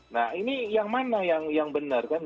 nah ini yang mana yang benar kan